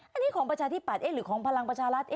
อันนี้ของประชาธิปัตย์หรือของพลังประชารัฐ